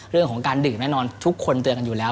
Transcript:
เรื่องของการดื่มแน่นอนทุกคนเตือนกันอยู่แล้ว